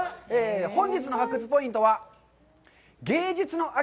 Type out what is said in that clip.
本日の発掘ポイントは、「芸術の秋！